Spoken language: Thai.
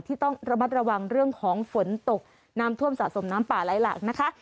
ที่ต้องระมัดระวังเรื่องของฝนน้ำท่วมสะสมป่าล้ายหลัก